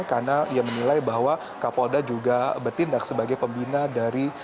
karena dia menilai bahwa kapolda juga bertindak sebagai pembina dari